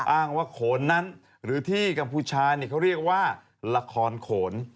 อ้างว่าโขนนั้นหรือที่กัมพูชาเขาเรียกว่าละครโขน